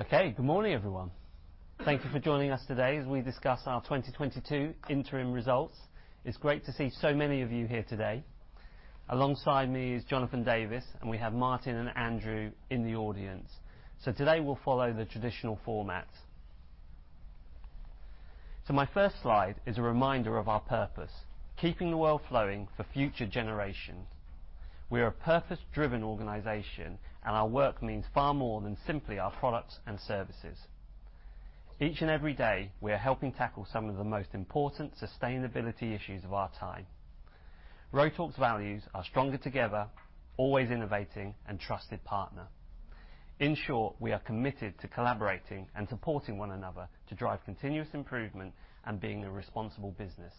Okay. Good morning, everyone. Thank you for joining us today as we discuss our 2022 interim results. It's great to see so many of you here today. Alongside me is Jonathan Davis, and we have Martin and Andrew in the audience. Today we'll follow the traditional format. My first slide is a reminder of our purpose: keeping the world flowing for future generations. We are a purpose-driven organization, and our work means far more than simply our products and services. Each and every day, we are helping tackle some of the most important sustainability issues of our time. Rotork's values are stronger together, always innovating, and trusted partner. In short, we are committed to collaborating and supporting one another to drive continuous improvement and being a responsible business.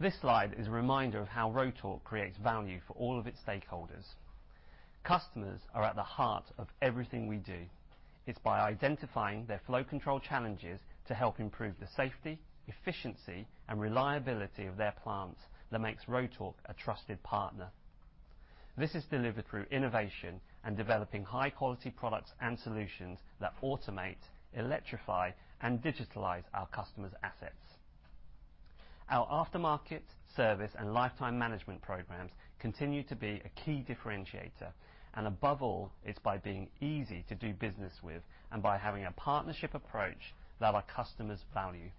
This slide is a reminder of how Rotork creates value for all of its stakeholders. Customers are at the heart of everything we do. It's by identifying their flow control challenges to help improve the safety, efficiency, and reliability of their plants that makes Rotork a trusted partner. This is delivered through innovation and developing high-quality products and solutions that automate, electrify, and digitalize our customers' assets. Our aftermarket service and lifetime management programs continue to be a key differentiator, and above all, it's by being easy to do business with and by having a partnership approach that our customers value.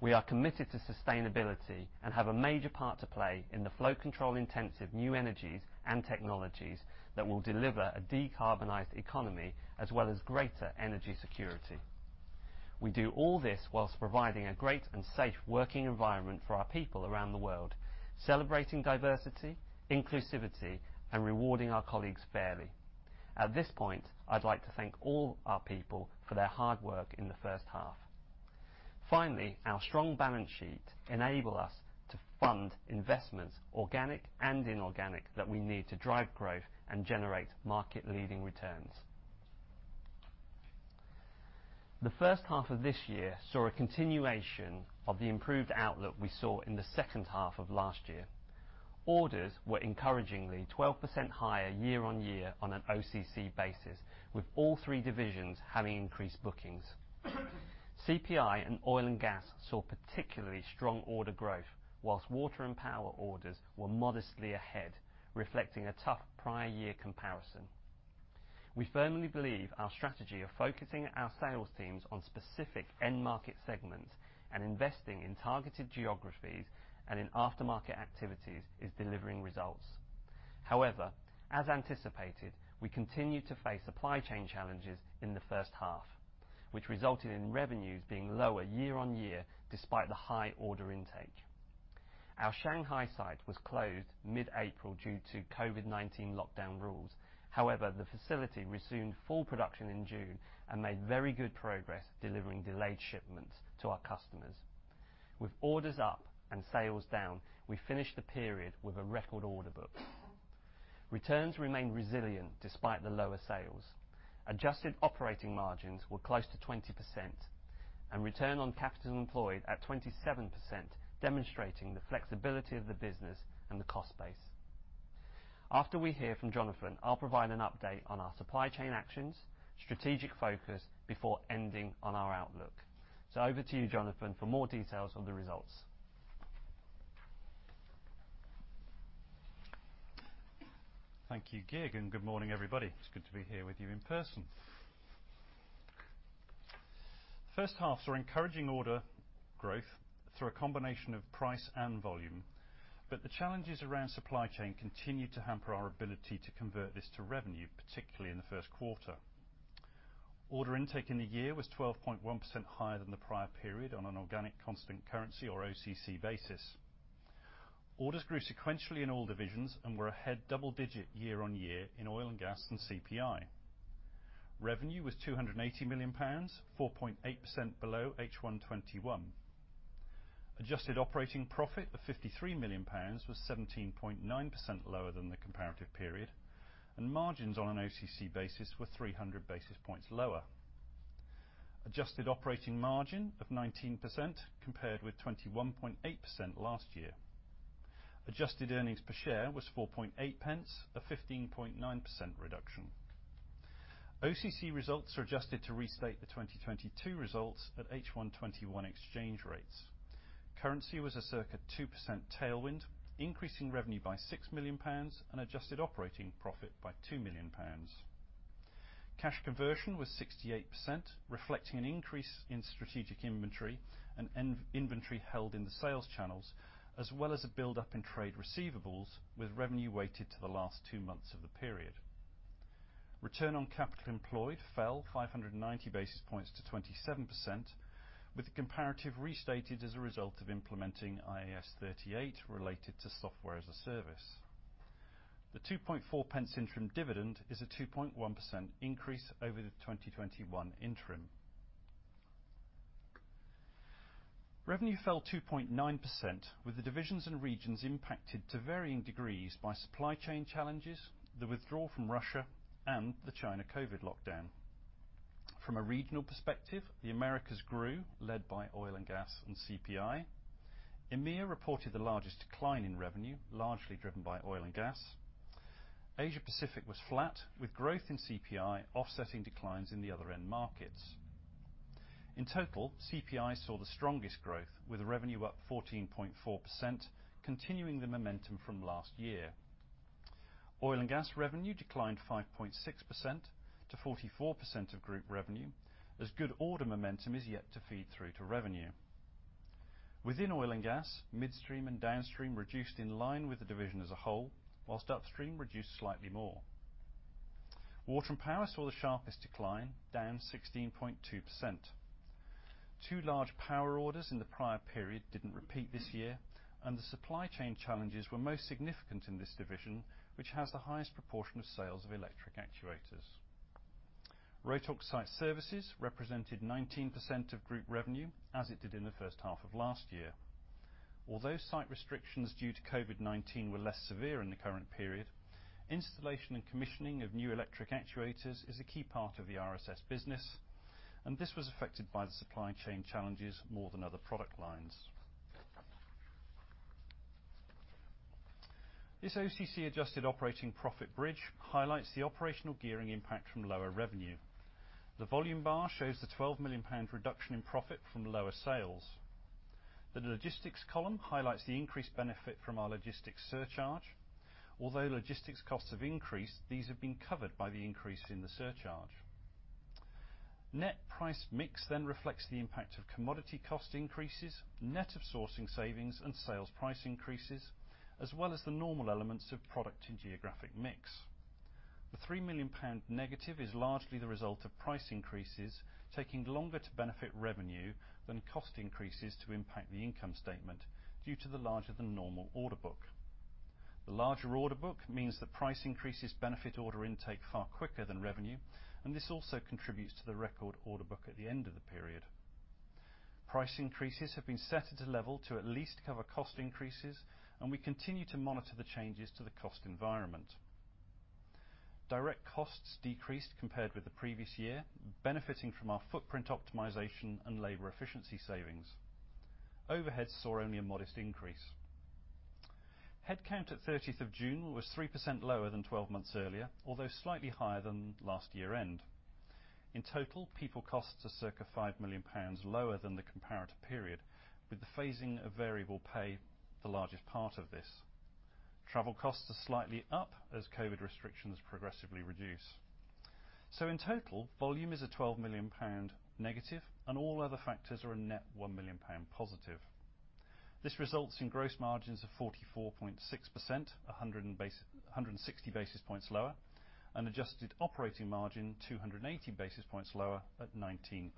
We are committed to sustainability and have a major part to play in the flow control intensive new energies and technologies that will deliver a decarbonized economy as well as greater energy security. We do all this whilst providing a great and safe working environment for our people around the world, celebrating diversity, inclusivity, and rewarding our colleagues fairly. At this point, I'd like to thank all our people for their hard work in the first half. Finally, our strong balance sheet enable us to fund investments, organic and inorganic, that we need to drive growth and generate market-leading returns. The first half of this year saw a continuation of the improved outlook we saw in the second half of last year. Orders were encouragingly 12% higher year-on-year on an OCC basis, with all three divisions having increased bookings. CPI and Oil & Gas saw particularly strong order growth, whilst Water & Power orders were modestly ahead, reflecting a tough prior year comparison. We firmly believe our strategy of focusing our sales teams on specific end-market segments and investing in targeted geographies and in aftermarket activities is delivering results. However, as anticipated, we continued to face supply chain challenges in the first half, which resulted in revenues being lower year-over-year despite the high order intake. Our Shanghai site was closed mid-April due to COVID-19 lockdown rules. However, the facility resumed full production in June and made very good progress delivering delayed shipments to our customers. With orders up and sales down, we finished the period with a record order book. Returns remained resilient despite the lower sales. Adjusted operating margins were close to 20% and return on capital employed at 27%, demonstrating the flexibility of the business and the cost base. After we hear from Jonathan, I'll provide an update on our supply chain actions, strategic focus, before ending on our outlook. Over to you, Jonathan, for more details on the results. Thank you, Kiet, and good morning, everybody. It's good to be here with you in person. First half saw encouraging order growth through a combination of price and volume, but the challenges around supply chain continued to hamper our ability to convert this to revenue, particularly in the first quarter. Order intake in the year was 12.1% higher than the prior period on an organic constant currency or OCC basis. Orders grew sequentially in all divisions and were ahead double-digit year-on-year in Oil & Gas and CPI. Revenue was 280 million pounds, 4.8% below H1 2021. Adjusted operating profit of 53 million pounds was 17.9% lower than the comparative period, and margins on an OCC basis were 300 basis points lower. Adjusted operating margin of 19% compared with 21.8% last year. Adjusted earnings per share was 0.048, a 15.9% reduction. OCC results are adjusted to restate the 2022 results at H1 2021 exchange rates. Currency was a circa 2% tailwind, increasing revenue by 6 million pounds and adjusted operating profit by 2 million pounds. Cash conversion was 68%, reflecting an increase in strategic inventory and inventory held in the sales channels, as well as a buildup in trade receivables, with revenue weighted to the last two months of the period. Return on capital employed fell 590 basis points to 27%, with the comparative restated as a result of implementing IAS 38 related to software as a service. The 0.024 interim dividend is a 2.1% increase over the 2021 interim. Revenue fell 2.9%, with the divisions and regions impacted to varying degrees by supply chain challenges, the withdrawal from Russia, and the China COVID lockdown. From a regional perspective, the Americas grew, led by Oil & Gas and CPI. EMEA reported the largest decline in revenue, largely driven by Oil & Gas. Asia Pacific was flat, with growth in CPI offsetting declines in the other end markets. In total, CPI saw the strongest growth, with revenue up 14.4%, continuing the momentum from last year. Oil & Gas revenue declined 5.6% to 44% of group revenue, as good order momentum is yet to feed through to revenue. Within Oil & Gas, midstream and downstream reduced in line with the division as a whole, while upstream reduced slightly more. Water & Power saw the sharpest decline, down 16.2%. Two large power orders in the prior period didn't repeat this year, and the supply chain challenges were most significant in this division, which has the highest proportion of sales of electric actuators. Rotork Site Services represented 19% of group revenue, as it did in the first half of last year. Although site restrictions due to COVID-19 were less severe in the current period, installation and commissioning of new electric actuators is a key part of the RSS business, and this was affected by the supply chain challenges more than other product lines. This OCC adjusted operating profit bridge highlights the operational gearing impact from lower revenue. The volume bar shows the 12 million pounds reduction in profit from lower sales. The logistics column highlights the increased benefit from our logistics surcharge. Although logistics costs have increased, these have been covered by the increase in the surcharge. Net price mix then reflects the impact of commodity cost increases, net of sourcing savings and sales price increases, as well as the normal elements of product and geographic mix. The 3 million pound negative is largely the result of price increases taking longer to benefit revenue than cost increases to impact the income statement due to the larger than normal order book. The larger order book means that price increases benefit order intake far quicker than revenue, and this also contributes to the record order book at the end of the period. Price increases have been set at a level to at least cover cost increases, and we continue to monitor the changes to the cost environment. Direct costs decreased compared with the previous year, benefiting from our footprint optimization and labor efficiency savings. Overheads saw only a modest increase. Headcount at June 30th was 3% lower than 12 months earlier, although slightly higher than last year-end. In total, people costs are circa 5 million pounds lower than the comparative period, with the phasing of variable pay the largest part of this. Travel costs are slightly up as COVID restrictions progressively reduce. In total, volume is a -12 million pound, and all other factors are a net +1 million pound. This results in gross margins of 44.6%, 160 basis points lower, and adjusted operating margin 280 basis points lower at 19%.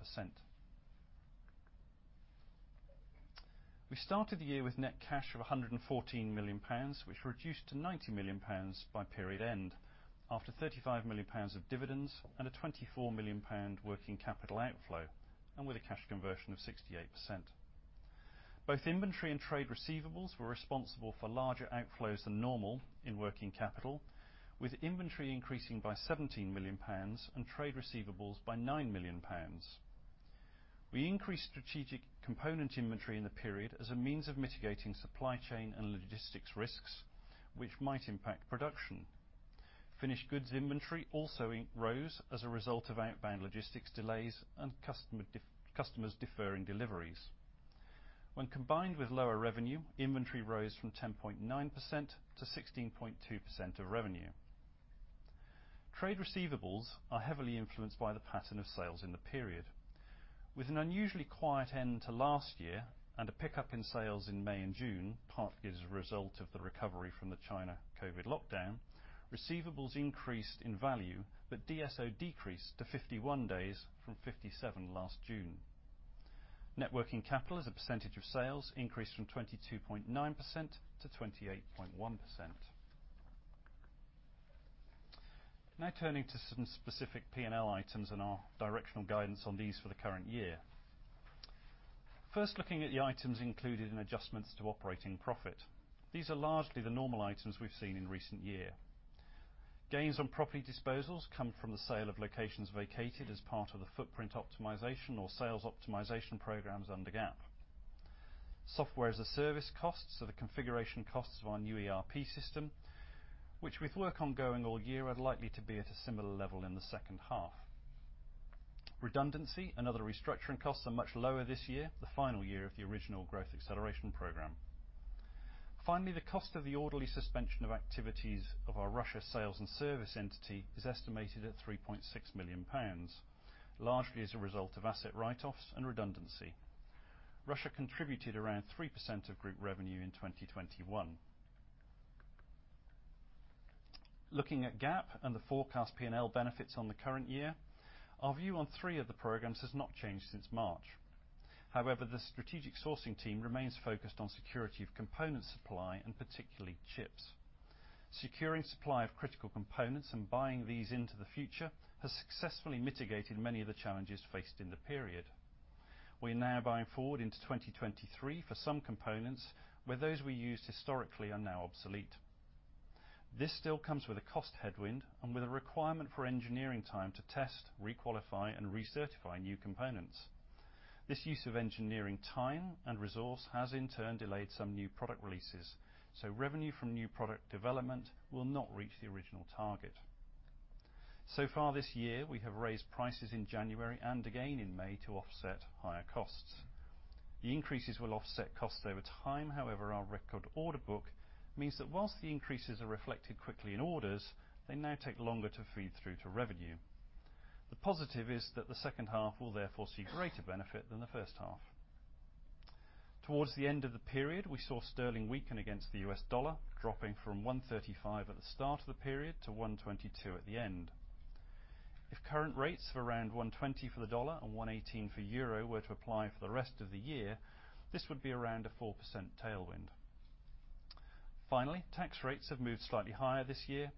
We started the year with net cash of GBP 114 million, which reduced to GBP 90 million by period end, after GBP 35 million of dividends and a GBP 24 million working capital outflow, and with a cash conversion of 68%. Both inventory and trade receivables were responsible for larger outflows than normal in working capital, with inventory increasing by GBP 17 million and trade receivables by GBP 9 million. We increased strategic component inventory in the period as a means of mitigating supply chain and logistics risks which might impact production. Finished goods inventory also rose as a result of outbound logistics delays and customers deferring deliveries. When combined with lower revenue, inventory rose from 10.9% to 16.2% of revenue. Trade receivables are heavily influenced by the pattern of sales in the period. With an unusually quiet end to last year and a pickup in sales in May and June, partly as a result of the recovery from the China COVID-19 lockdown, receivables increased in value, but DSO decreased to 51 days from 57 last June. Net working capital as a percentage of sales increased from 22.9% to 28.1%. Now turning to some specific P&L items and our directional guidance on these for the current year. First, looking at the items included in adjustments to operating profit. These are largely the normal items we've seen in recent years. Gains on property disposals come from the sale of locations vacated as part of the footprint optimization or sales optimization programs under GAP. Software as a service costs are the configuration costs of our new ERP system, which with work ongoing all year are likely to be at a similar level in the second half. Redundancy and other restructuring costs are much lower this year, the final year of the original growth acceleration program. Finally, the cost of the orderly suspension of activities of our Russia sales and service entity is estimated at 3.6 million pounds, largely as a result of asset write-offs and redundancy. Russia contributed around 3% of group revenue in 2021. Looking at GAP and the forecast P&L benefits on the current year, our view on three of the programs has not changed since March. However, the strategic sourcing team remains focused on security of component supply and particularly chips. Securing supply of critical components and buying these into the future has successfully mitigated many of the challenges faced in the period. We are now buying forward into 2023 for some components where those we used historically are now obsolete. This still comes with a cost headwind and with a requirement for engineering time to test, requalify, and recertify new components. This use of engineering time and resource has, in turn, delayed some new product releases, so revenue from new product development will not reach the original target. So far this year, we have raised prices in January and again in May to offset higher costs. The increases will offset costs over time. However, our record order book means that while the increases are reflected quickly in orders, they now take longer to feed through to revenue. The positive is that the second half will therefore see greater benefit than the first half. Towards the end of the period, we saw sterling weaken against the U.S. dollar, dropping from 1.35 at the start of the period to 1.22 at the end. If current rates of around 1.20 for the dollar and 1.18 for euro were to apply for the rest of the year, this would be around a 4% tailwind. Finally, tax rates have moved slightly higher this year.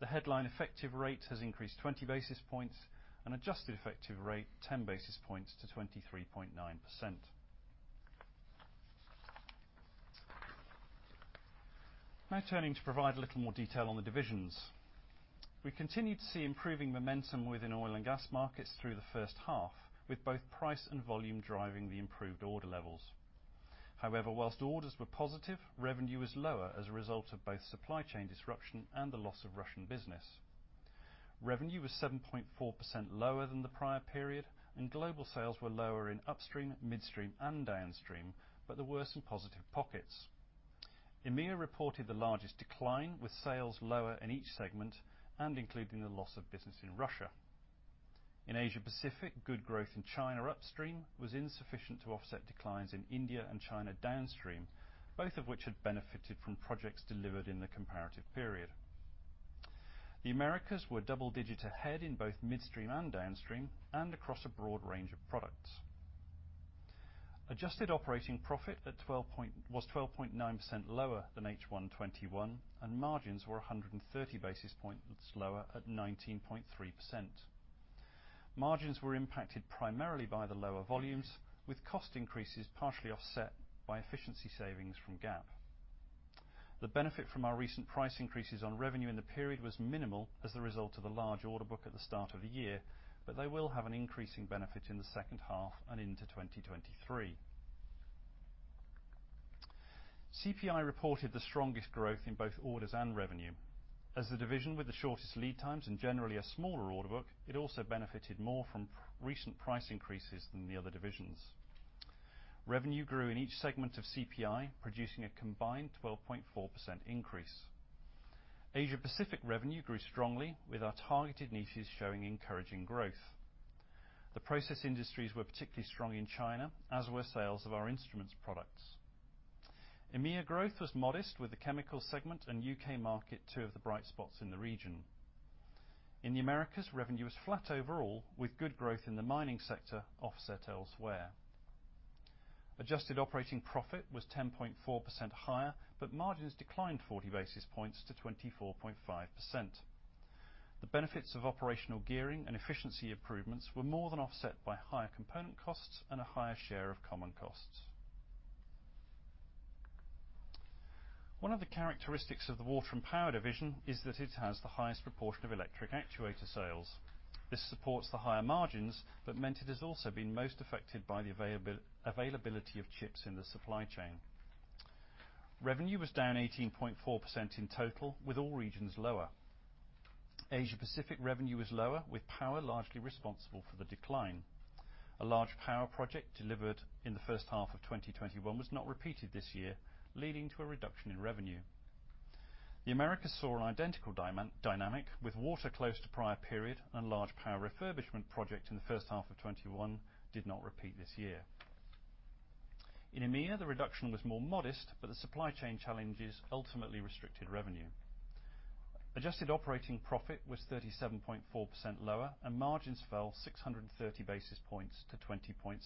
The headline effective rate has increased 20 basis points and adjusted effective rate 10 basis points to 23.9%. Now turning to provide a little more detail on the divisions. We continued to see improving momentum within Oil & Gas markets through the first half, with both price and volume driving the improved order levels. However, while orders were positive, revenue was lower as a result of both supply chain disruption and the loss of Russian business. Revenue was 7.4% lower than the prior period, and global sales were lower in upstream, midstream, and downstream, but there were some positive pockets. EMEA reported the largest decline, with sales lower in each segment and including the loss of business in Russia. In Asia Pacific, good growth in China upstream was insufficient to offset declines in India and China downstream, both of which had benefited from projects delivered in the comparative period. The Americas were double-digit ahead in both midstream and downstream and across a broad range of products. Adjusted operating profit was 12.9% lower than H1 2021, and margins were 130 basis points lower at 19.3%. Margins were impacted primarily by the lower volumes, with cost increases partially offset by efficiency savings from GAP. The benefit from our recent price increases on revenue in the period was minimal as a result of the large order book at the start of the year, but they will have an increasing benefit in the second half and into 2023. CPI reported the strongest growth in both orders and revenue. As the division with the shortest lead times and generally a smaller order book, it also benefited more from recent price increases than the other divisions. Revenue grew in each segment of CPI, producing a combined 12.4% increase. Asia Pacific revenue grew strongly with our targeted niches showing encouraging growth. The process industries were particularly strong in China, as were sales of our Instruments products. EMEA growth was modest, with the chemical segment and U.K. market two of the bright spots in the region. In the Americas, revenue was flat overall, with good growth in the mining sector offset elsewhere. Adjusted operating profit was 10.4% higher, but margins declined 40 basis points to 24.5%. The benefits of operational gearing and efficiency improvements were more than offset by higher component costs and a higher share of common costs. One of the characteristics of the Water & Power division is that it has the highest proportion of electric actuator sales. This supports the higher margins, but meant it has also been most affected by the availability of chips in the supply chain. Revenue was down 18.4% in total, with all regions lower. Asia Pacific revenue was lower, with power largely responsible for the decline. A large power project delivered in the first half of 2021 was not repeated this year, leading to a reduction in revenue. The Americas saw an identical dynamic, with water close to prior period and large power refurbishment project in the first half of 2021 did not repeat this year. In EMEA, the reduction was more modest, but the supply chain challenges ultimately restricted revenue. Adjusted operating profit was 37.4% lower and margins fell 630 basis points to 20.7%.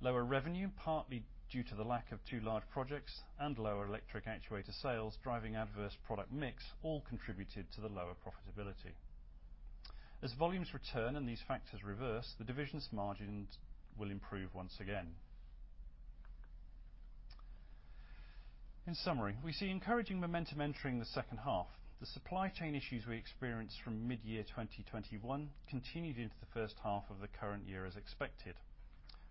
Lower revenue, partly due to the lack of two large projects and lower electric actuator sales driving adverse product mix, all contributed to the lower profitability. As volumes return and these factors reverse, the division's margins will improve once again. In summary, we see encouraging momentum entering the second half. The supply chain issues we experienced from mid-year 2021 continued into the first half of the current year as expected.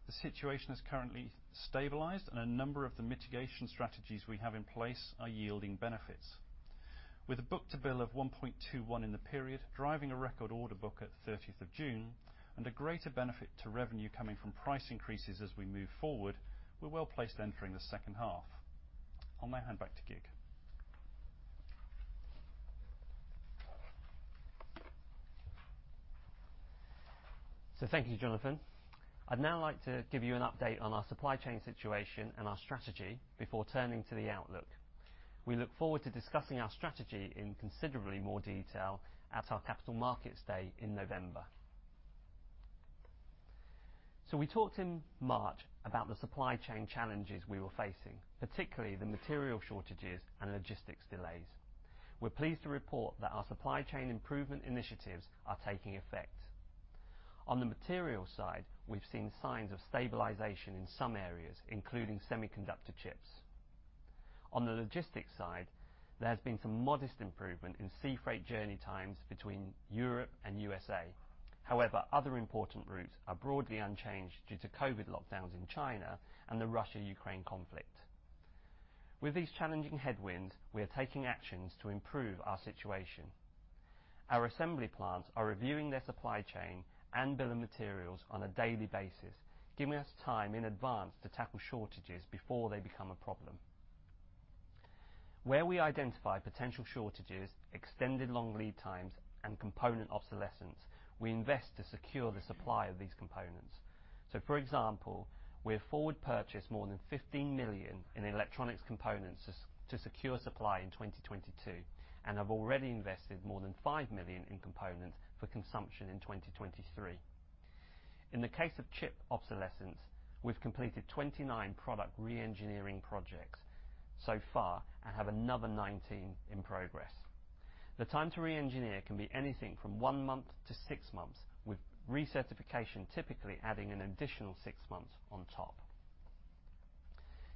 The situation has currently stabilized and a number of the mitigation strategies we have in place are yielding benefits. With a book-to-bill of 1.21 in the period driving a record order book at June 30th and a greater benefit to revenue coming from price increases as we move forward, we're well-placed entering the second half. I'll now hand back to Kiet. Thank you, Jonathan. I'd now like to give you an update on our supply chain situation and our strategy before turning to the outlook. We look forward to discussing our strategy in considerably more detail at our Capital Markets Day in November. We talked in March about the supply chain challenges we were facing, particularly the material shortages and logistics delays. We're pleased to report that our supply chain improvement initiatives are taking effect. On the material side, we've seen signs of stabilization in some areas, including semiconductor chips. On the logistics side, there's been some modest improvement in sea freight journey times between Europe and USA. However, other important routes are broadly unchanged due to COVID lockdowns in China and the Russia-Ukraine conflict. With these challenging headwinds, we are taking actions to improve our situation. Our assembly plants are reviewing their supply chain and bill of materials on a daily basis, giving us time in advance to tackle shortages before they become a problem. Where we identify potential shortages, extended long lead times, and component obsolescence, we invest to secure the supply of these components. For example, we have forward purchased more than 15 million in electronics components to secure supply in 2022 and have already invested more than 5 million in components for consumption in 2023. In the case of chip obsolescence, we've completed 29 product re-engineering projects so far, and have another 19 in progress. The time to re-engineer can be anything from one month to six months with recertification typically adding an additional six months on top.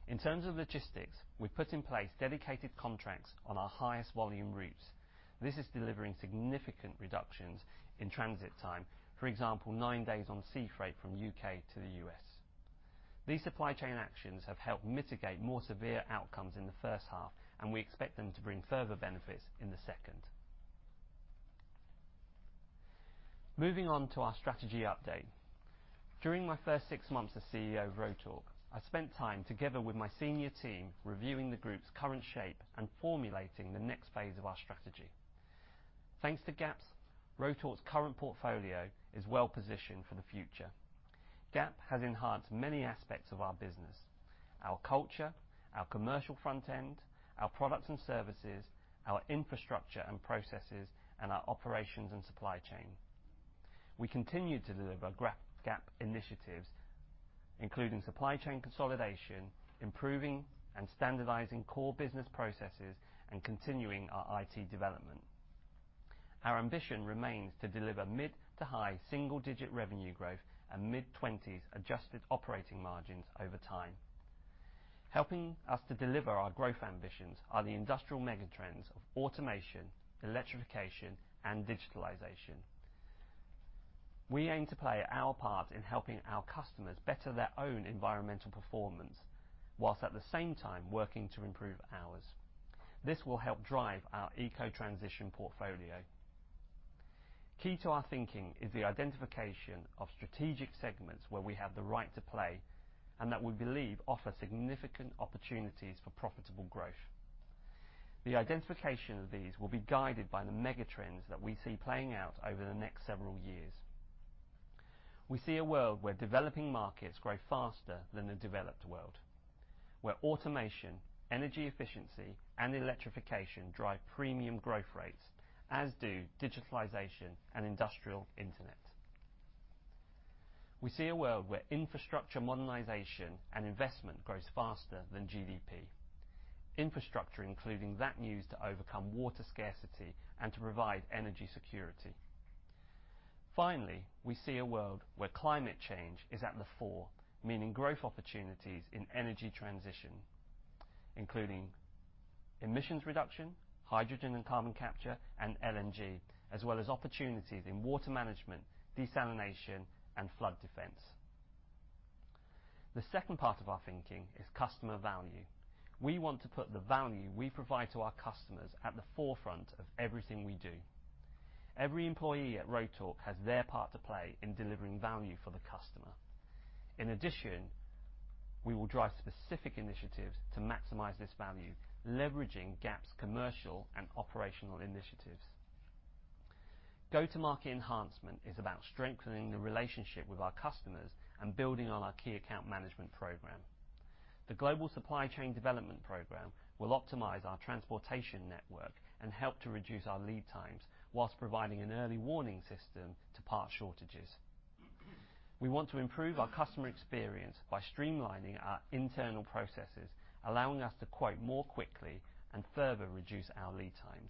In terms of logistics, we've put in place dedicated contracts on our highest volume routes. This is delivering significant reductions in transit time. For example, nine days on sea freight from U.K. to the U.S. These supply chain actions have helped mitigate more severe outcomes in the first half, and we expect them to bring further benefits in the second. Moving on to our strategy update. During my first six months as CEO of Rotork, I spent time together with my senior team reviewing the group's current shape and formulating the next phase of our strategy. Thanks to GAP's, Rotork's current portfolio is well-positioned for the future. GAP has enhanced many aspects of our business, our culture, our commercial front end, our products and services, our infrastructure and processes, and our operations and supply chain. We continue to deliver GAP initiatives, including supply chain consolidation, improving and standardizing core business processes, and continuing our IT development. Our ambition remains to deliver mid- to high single-digit% revenue growth and mid-twenties% adjusted operating margins over time. Helping us to deliver our growth ambitions are the industrial mega trends of automation, electrification, and digitalization. We aim to play our part in helping our customers better their own environmental performance while at the same time working to improve ours. This will help drive our eco-transition portfolio. Key to our thinking is the identification of strategic segments where we have the right to play and that we believe offer significant opportunities for profitable growth. The identification of these will be guided by the mega trends that we see playing out over the next several years. We see a world where developing markets grow faster than the developed world, where automation, energy efficiency, and electrification drive premium growth rates, as do digitalization and industrial internet. We see a world where infrastructure modernization and investment grows faster than GDP. Infrastructure including that used to overcome water scarcity and to provide energy security. Finally, we see a world where climate change is at the fore, meaning growth opportunities in energy transition, including emissions reduction, hydrogen and carbon capture, and LNG, as well as opportunities in water management, desalination, and flood defense. The second part of our thinking is customer value. We want to put the value we provide to our customers at the forefront of everything we do. Every employee at Rotork has their part to play in delivering value for the customer. In addition, we will drive specific initiatives to maximize this value, leveraging GAP's commercial and operational initiatives. Go-to-market enhancement is about strengthening the relationship with our customers and building on our key account management program. The global supply chain development program will optimize our transportation network and help to reduce our lead times while providing an early warning system to part shortages. We want to improve our customer experience by streamlining our internal processes, allowing us to quote more quickly and further reduce our lead times.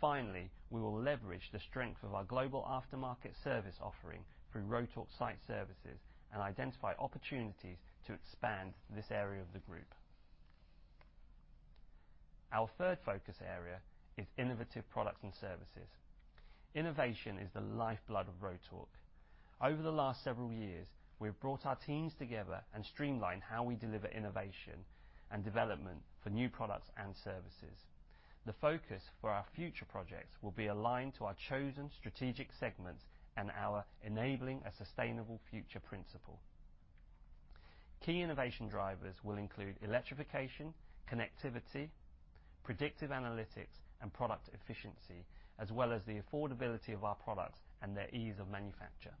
Finally, we will leverage the strength of our global aftermarket service offering through Rotork Site Services and identify opportunities to expand this area of the group. Our third focus area is innovative products and services. Innovation is the lifeblood of Rotork. Over the last several years, we've brought our teams together and streamlined how we deliver innovation and development for new products and services. The focus for our future projects will be aligned to our chosen strategic segments and our enabling a sustainable future principle. Key innovation drivers will include electrification, connectivity, predictive analytics, and product efficiency, as well as the affordability of our products and their ease of manufacture.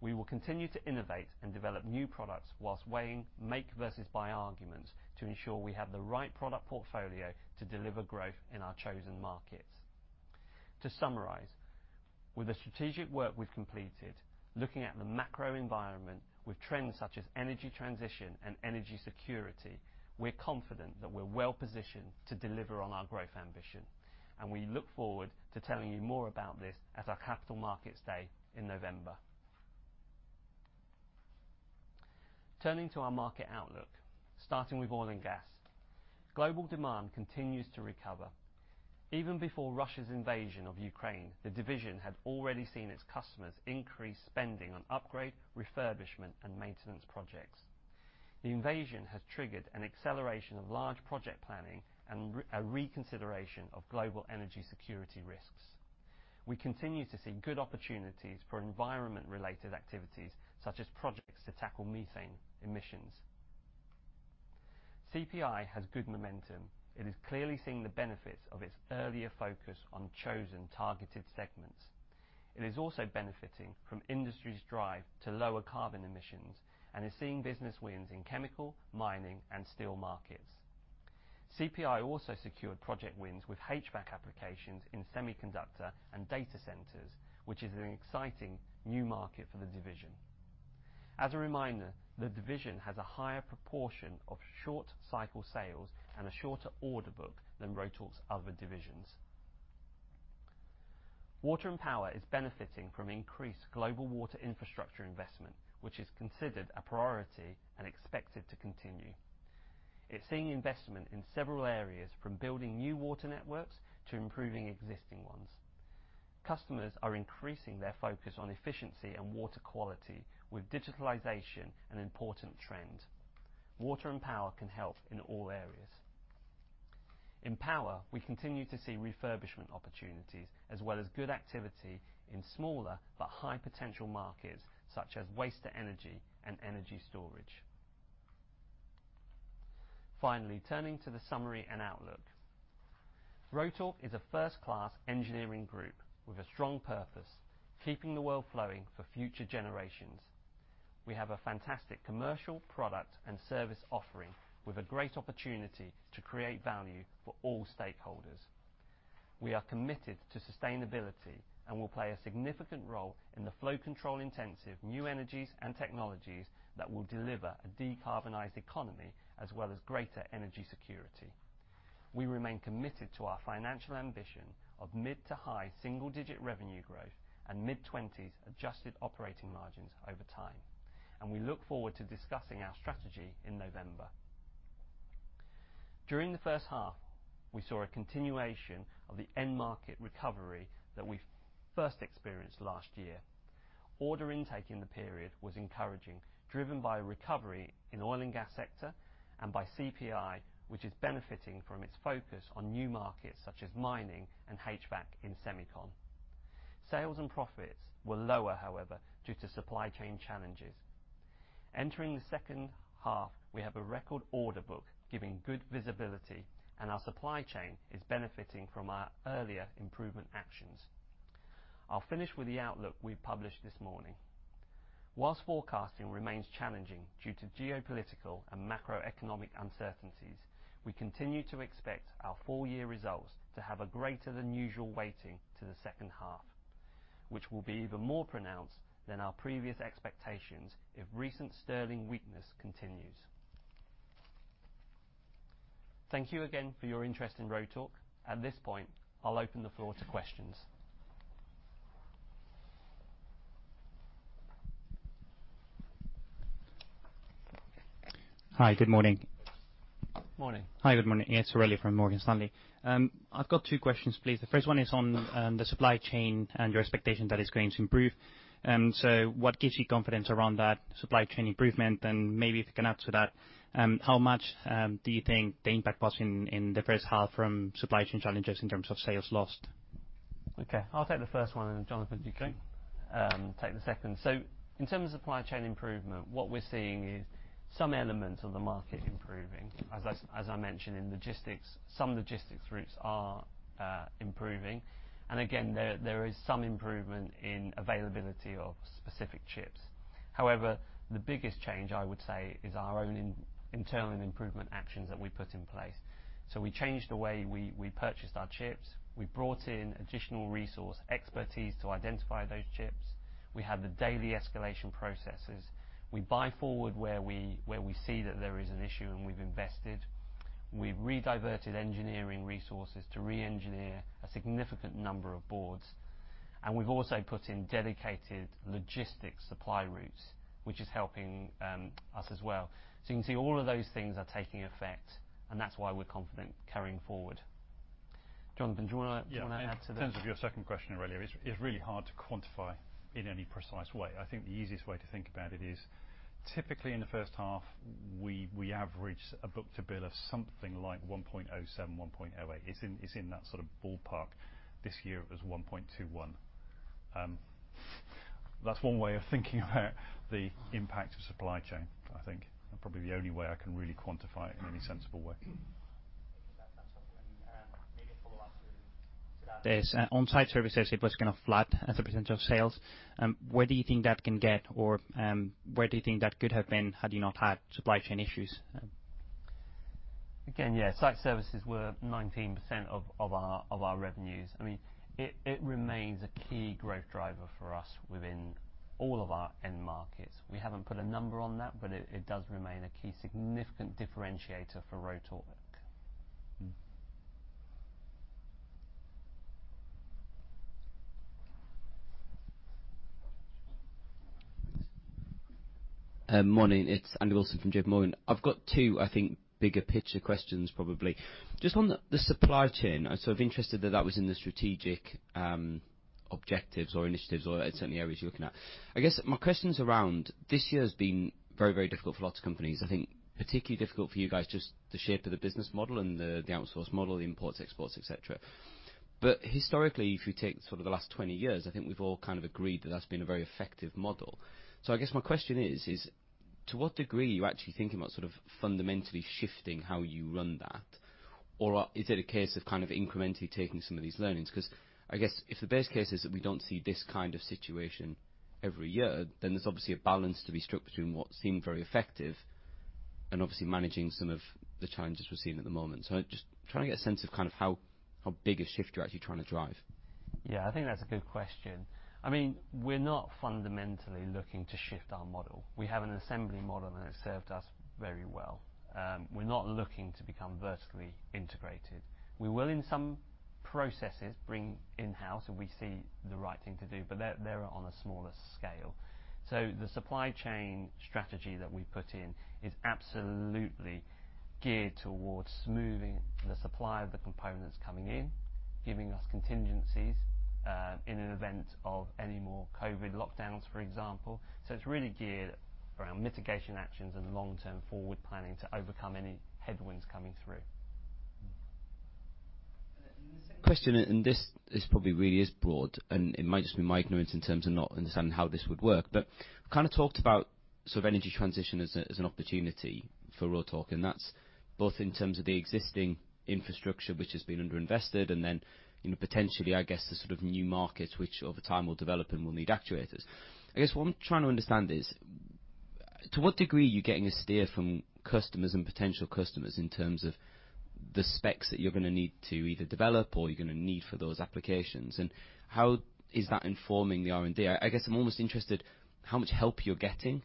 We will continue to innovate and develop new products while weighing make versus buy arguments to ensure we have the right product portfolio to deliver growth in our chosen markets. To summarize, with the strategic work we've completed. Looking at the macro environment with trends such as energy transition and energy security, we're confident that we're well positioned to deliver on our growth ambition, and we look forward to telling you more about this at our Capital Markets Day in November. Turning to our market outlook, starting with Oil & Gas. Global demand continues to recover. Even before Russia's invasion of Ukraine, the division had already seen its customers increase spending on upgrade, refurbishment, and maintenance projects. The invasion has triggered an acceleration of large project planning and a reconsideration of global energy security risks. We continue to see good opportunities for environment-related activities, such as projects to tackle methane emissions. CPI has good momentum. It is clearly seeing the benefits of its earlier focus on chosen targeted segments. It is also benefiting from industry's drive to lower carbon emissions and is seeing business wins in chemical, mining, and steel markets. CPI also secured project wins with HVAC applications in semiconductor and data centers, which is an exciting new market for the division. As a reminder, the division has a higher proportion of short-cycle sales and a shorter order book than Rotork's other divisions. Water & Power is benefiting from increased global water infrastructure investment, which is considered a priority and expected to continue. It's seeing investment in several areas, from building new water networks to improving existing ones. Customers are increasing their focus on efficiency and water quality with digitalization an important trend. Water & Power can help in all areas. In power, we continue to see refurbishment opportunities as well as good activity in smaller but high-potential markets such as waste-to-energy and energy storage. Finally, turning to the summary and outlook. Rotork is a first-class engineering group with a strong purpose, keeping the world flowing for future generations. We have a fantastic commercial product and service offering with a great opportunity to create value for all stakeholders. We are committed to sustainability and will play a significant role in the flow-control-intensive new energies and technologies that will deliver a decarbonized economy as well as greater energy security. We remain committed to our financial ambition of mid- to high-single-digit% revenue growth and mid-20s% adjusted operating margins over time. We look forward to discussing our strategy in November. During the first half, we saw a continuation of the end market recovery that we first experienced last year. Order intake in the period was encouraging, driven by a recovery in Oil & Gas sector and by CPI, which is benefiting from its focus on new markets such as mining and HVAC in semicon. Sales and profits were lower, however, due to supply chain challenges. Entering the second half, we have a record order book giving good visibility, and our supply chain is benefiting from our earlier improvement actions. I'll finish with the outlook we published this morning. While forecasting remains challenging due to geopolitical and macroeconomic uncertainties, we continue to expect our full year results to have a greater than usual weighting to the second half, which will be even more pronounced than our previous expectations if recent sterling weakness continues. Thank you again for your interest in Rotork. At this point, I'll open the floor to questions. Hi. Good morning. Morning. Hi. Good morning. It's Aurelio from Morgan Stanley. I've got two questions, please. The first one is on the supply chain and your expectation that it's going to improve. So what gives you confidence around that supply chain improvement? Maybe if you can answer that, how much do you think the impact was in the first half from supply chain challenges in terms of sales lost? Okay. I'll take the first one, and Jonathan, do you want to take the second? In terms of supply chain improvement, what we're seeing is some elements of the market improving. As I mentioned in logistics, some logistics routes are improving. Again, there is some improvement in availability of specific chips. However, the biggest change I would say is our own internal improvement actions that we've put in place. We changed the way we purchased our chips. We brought in additional resource expertise to identify those chips. We have the daily escalation processes. We buy forward where we see that there is an issue, and we've invested. We rediverted engineering resources to re-engineer a significant number of boards. We've also put in dedicated logistics supply routes, which is helping us as well. You can see all of those things are taking effect, and that's why we're confident carrying forward. Jonathan, do you wanna add to that? Yeah. In terms of your second question, Aurelio, it's really hard to quantify in any precise way. I think the easiest way to think about it is typically in the first half, we average a book-to-bill of something like 1.07, 1.08. It's in that sort of ballpark. This year it was 1.21. That's one way of thinking about the impact of supply chain, I think. Probably the only way I can really quantify it in any sensible way. That's helpful. Maybe a follow-up to that is, Site Services, it was kind of flat as a percentage of sales. Where do you think that can get, or, where do you think that could have been had you not had supply chain issues? Again, yeah, Site Services were 19% of our revenues. I mean, it remains a key growth driver for us within all of our end markets. We haven't put a number on that, but it does remain a key significant differentiator for Rotork. Mm. Morning. It's Andrew Wilson from JPMorgan. Morning. I've got two, I think bigger picture questions probably. Just on the supply chain, I sort of interested that that was in the strategic objectives or initiatives or certainly areas you're looking at. I guess my question is around this year has been very, very difficult for lots of companies, I think particularly difficult for you guys, just the shape of the business model and the outsource model, the imports, exports, et cetera. Historically, if you take sort of the last 20 years, I think we've all kind of agreed that that's been a very effective model. I guess my question is to what degree are you actually thinking about sort of fundamentally shifting how you run that? Or is it a case of kind of incrementally taking some of these learnings? 'Cause I guess if the base case is that we don't see this kind of situation every year, then there's obviously a balance to be struck between what seemed very effective and obviously managing some of the challenges we're seeing at the moment. Just trying to get a sense of kind of how big a shift you're actually trying to drive. Yeah, I think that's a good question. I mean, we're not fundamentally looking to shift our model. We have an assembly model and it's served us very well. We're not looking to become vertically integrated. We will in some processes bring in-house if we see the right thing to do, but they're on a smaller scale. The supply chain strategy that we put in is absolutely geared towards smoothing the supply of the components coming in, giving us contingencies in an event of any more COVID lockdowns, for example. It's really geared around mitigation actions and long-term forward planning to overcome any headwinds coming through. The second question, and this is probably really is broad, and it might just be my ignorance in terms of not understanding how this would work. But we kind of talked about sort of energy transition as a, as an opportunity for Rotork, and that's both in terms of the existing infrastructure which has been underinvested and then, you know, potentially, I guess the sort of new markets which over time will develop and will need actuators. I guess what I'm trying to understand is, to what degree are you getting a steer from customers and potential customers in terms of the specs that you're gonna need to either develop or you're gonna need for those applications, and how is that informing the R&D? I guess I'm almost interested how much help you're getting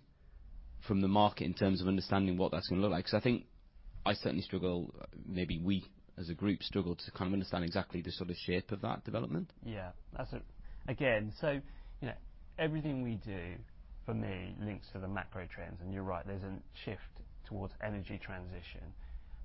from the market in terms of understanding what that's gonna look like. 'Cause I think I certainly struggle, maybe we as a group struggle to kind of understand exactly the sort of shape of that development. Yeah. Again, you know, everything we do for me links to the macro trends, and you're right, there's a shift towards energy transition.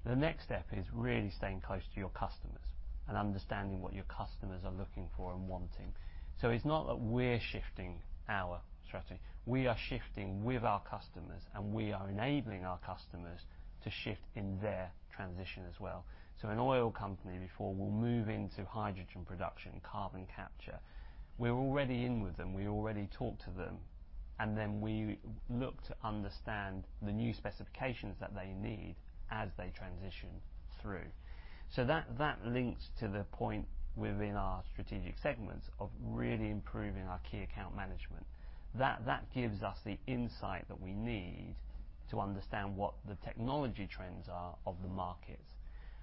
The next step is really staying close to your customers and understanding what your customers are looking for and wanting. It's not that we're shifting our strategy, we are shifting with our customers, and we are enabling our customers to shift in their transition as well. An oil company before will move into hydrogen production, carbon capture. We're already in with them, we already talk to them, and then we look to understand the new specifications that they need as they transition through. That links to the point within our strategic segments of really improving our key account management. That gives us the insight that we need to understand what the technology trends are of the markets,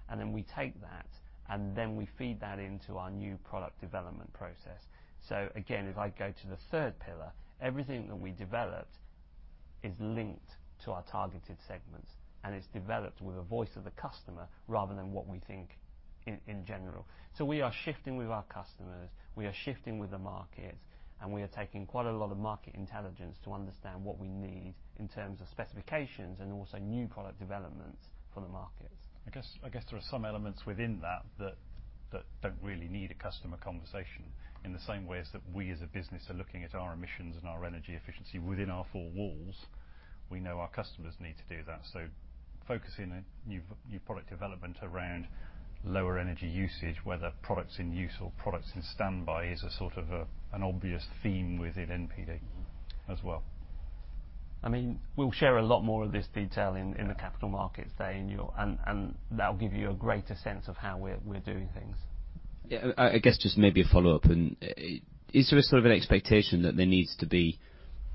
and then we take that, and then we feed that into our new product development process. Again, if I go to the third pillar, everything that we developed is linked to our targeted segments, and it's developed with the voice of the customer rather than what we think in general. We are shifting with our customers, we are shifting with the market, and we are taking quite a lot of market intelligence to understand what we need in terms of specifications and also new product developments for the markets. I guess there are some elements within that that don't really need a customer conversation. In the same way as that we as a business are looking at our emissions and our energy efficiency within our four walls, we know our customers need to do that. Focusing new product development around lower energy usage, whether products in use or products in standby, is a sort of an obvious theme within NPD as well. I mean, we'll share a lot more of this detail in the Capital Markets Day, and that'll give you a greater sense of how we're doing things. Yeah. I guess just maybe a follow-up. Is there a sort of an expectation that there needs to be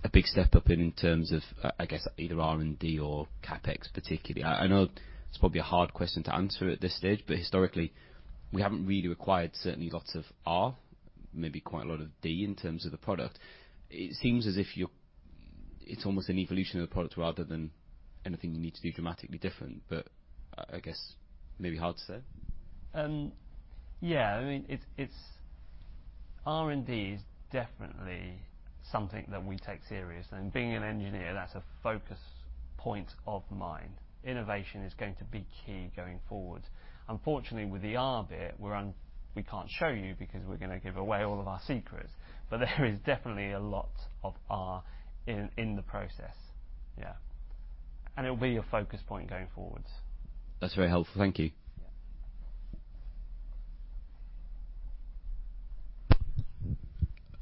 a big step up in terms of, I guess either R&D or CapEx particularly? I know it's probably a hard question to answer at this stage, but historically we haven't really required certainly lots of R, maybe quite a lot of D in terms of the product. It seems as if it's almost an evolution of the product rather than anything you need to do dramatically different. I guess maybe hard to say. Yeah. I mean, it's R&D is definitely something that we take seriously, and being an engineer, that's a focus point of mine. Innovation is going to be key going forward. Unfortunately, with the R bit, we can't show you because we're gonna give away all of our secrets, but there is definitely a lot of R in the process. Yeah. It'll be a focus point going forward. That's very helpful. Thank you.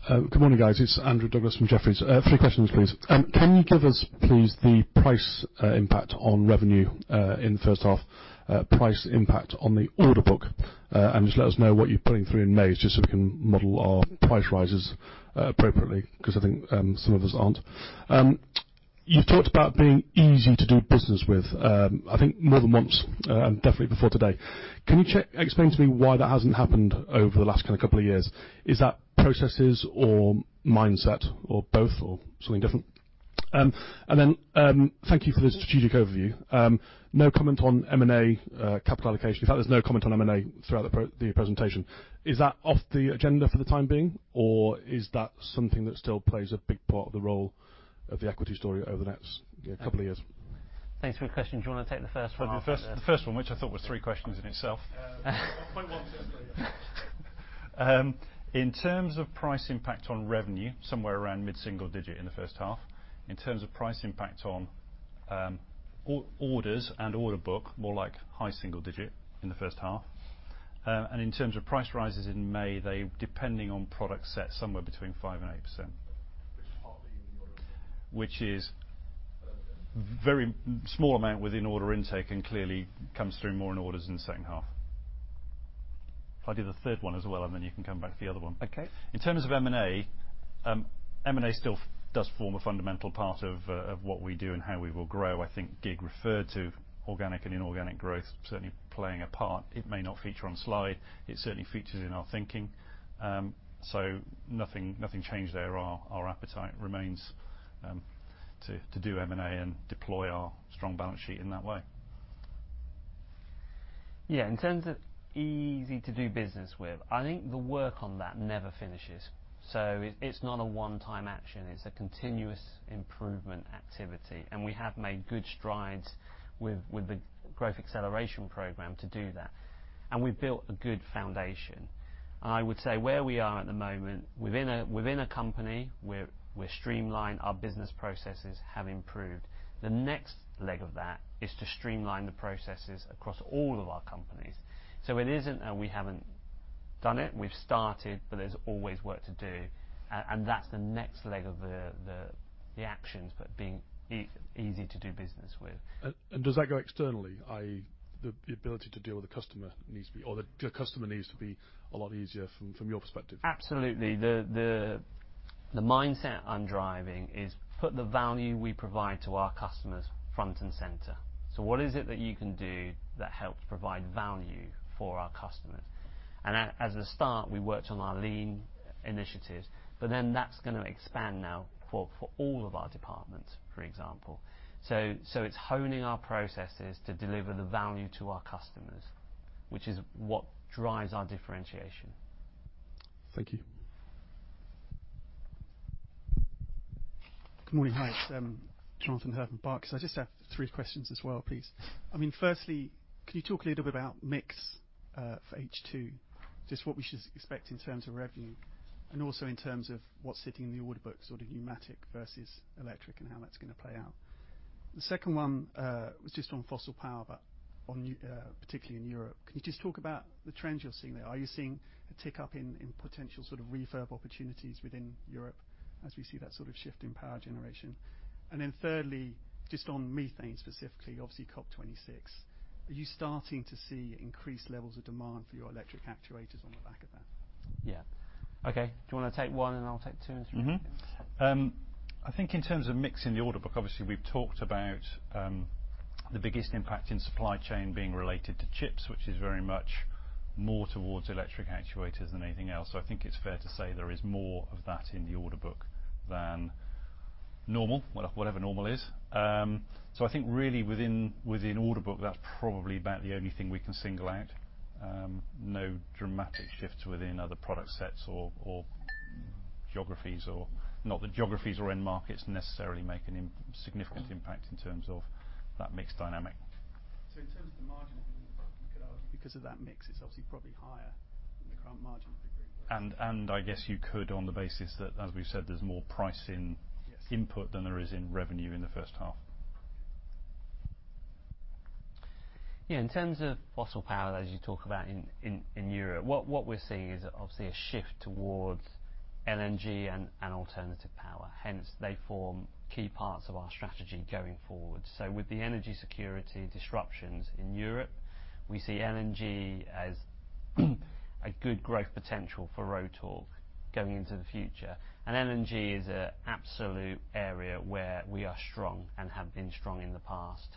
Yeah. Good morning, guys. It's Andrew Douglas from Jefferies. Three questions, please. Can you give us, please, the price impact on revenue in the first half, price impact on the order book? Just let us know what you're pulling through in May just so we can model our price rises appropriately, 'cause I think some of us aren't. You've talked about being easy to do business with, I think more than once, definitely before today. Can you explain why that hasn't happened over the last kind of couple of years? Is that processes or mindset or both or something different? Thank you for the strategic overview. No comment on M&A, capital allocation. In fact, there's no comment on M&A throughout the presentation. Is that off the agenda for the time being, or is that something that still plays a big part of the role of the equity story over the next couple of years? Thanks for your question. Do you wanna take the first one? The first one, which I thought was three questions in itself. Point one, certainly, yes. In terms of price impact on revenue, somewhere around mid-single-digit% in the first half. In terms of price impact on orders and order book, more like high single-digit% in the first half. In terms of price rises in May, they, depending on product set, somewhere between 5% and 8%. Which is partly in the order book. Which is. Both. Very small amount within order intake and clearly comes through more in orders in the second half. If I do the third one as well, and then you can come back to the other one. Okay. In terms of M&A, M&A still does form a fundamental part of what we do and how we will grow. I think Kiet referred to organic and inorganic growth certainly playing a part. It may not feature on slide. It certainly features in our thinking. Nothing changed there. Our appetite remains to do M&A and deploy our strong balance sheet in that way. Yeah, in terms of easy to do business with, I think the work on that never finishes. It's not a one-time action. It's a continuous improvement activity, and we have made good strides with the Growth Acceleration Programme to do that. We've built a good foundation. I would say where we are at the moment, within a company, we're streamlined. Our business processes have improved. The next leg of that is to streamline the processes across all of our companies. It isn't that we haven't done it. We've started, but there's always work to do. That's the next leg of the actions but being easy to do business with. Does that go externally? The ability to deal with the customer needs to be or the customer needs to be a lot easier from your perspective. Absolutely. The mindset I'm driving is put the value we provide to our customers front and center. What is it that you can do that helps provide value for our customers? As a start, we worked on our lean initiatives, but then that's gonna expand now for all of our departments, for example. It's honing our processes to deliver the value to our customers, which is what drives our differentiation. Thank you. Good morning. Hi. It's Jonathan Hurn, Barclays. I just have three questions as well, please. I mean, firstly, can you talk a little bit about mix for H2, just what we should expect in terms of revenue, and also in terms of what's sitting in the order book, sort of pneumatic versus electric and how that's gonna play out. The second one was just on fossil power, but on particularly in Europe. Can you just talk about the trends you're seeing there? Are you seeing a tick up in potential sort of refurb opportunities within Europe as we see that sort of shift in power generation? And then thirdly, just on methane specifically, obviously COP26. Are you starting to see increased levels of demand for your electric actuators on the back of that? Yeah. Okay. Do you wanna take one, and I'll take two and three? I think in terms of mix in the order book, obviously, we've talked about the biggest impact in supply chain being related to chips, which is very much more towards electric actuators than anything else. I think it's fair to say there is more of that in the order book than normal, whatever normal is. I think really within order book, that's probably about the only thing we can single out. No dramatic shifts within other product sets or geographies. Not that geographies or end markets necessarily make an insignificant impact in terms of that mix dynamic. In terms of the margin, you could argue because of that mix, it's obviously probably higher than the current margin would agree with. I guess you could on the basis that, as we've said, there's more price in input than there is in revenue in the first half. Yeah, in terms of fossil power, as you talk about in Europe, what we're seeing is obviously a shift towards LNG and alternative power. Hence, they form key parts of our strategy going forward. With the energy security disruptions in Europe, we see LNG as a good growth potential for Rotork going into the future. LNG is a absolute area where we are strong and have been strong in the past.